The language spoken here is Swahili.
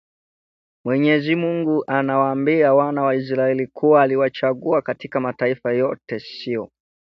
Mwenyezi Mungu anawaambia wana wa Israeli kuwa aliwachagua katika mataifa yote sio